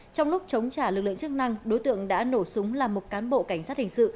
trong lúc chống trả lực lượng chức năng đối tượng đã nổ súng là một cán bộ cảnh sát hình sự